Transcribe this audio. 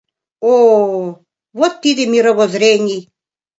О-о, вот тиде мировоззрений.